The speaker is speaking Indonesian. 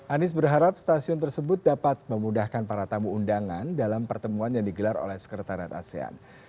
anies berharap stasiun tersebut dapat memudahkan para tamu undangan dalam pertemuan yang digelar oleh sekretariat asean